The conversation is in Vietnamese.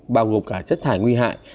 bao gồm cả chất thải nguy hại